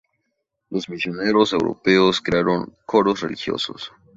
Los misioneros europeos crearon coros religiosos.